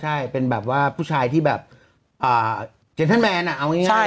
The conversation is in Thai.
ใช่เป็นแบบว่าผู้ชายที่แบบเจนเทอร์แมนเอาง่าย